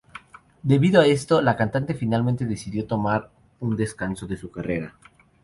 Debido a esto, la cantante finalmente decidió tomar un descanso de su carrera.